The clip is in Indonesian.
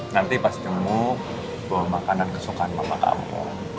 nanti pas ketemu bawa makanan kesukaan mama kamu